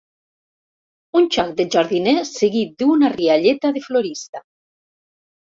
Un xac de jardiner seguit d'una rialleta de florista.